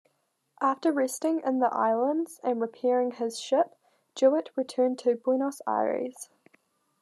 After resting in the islands and repairing his ship, Jewett returned to Buenos Aires.